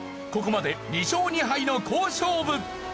ここまで２勝２敗の好勝負！